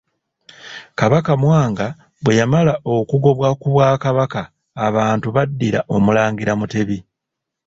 KABAKA Mwanga bwe yamala okugobwa ku Bwakabaka abantu baddira Omulangira Mutebi.